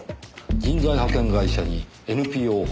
人材派遣会社にＮＰＯ法人。